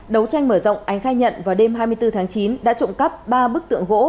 đấu tranh mở rộng ánh khai nhận vào đêm hai mươi bốn tháng chín đã trộm cắp ba bức tượng gỗ